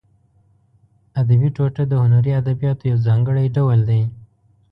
ادبي ټوټه د هنري ادبیاتو یو ځانګړی ډول دی.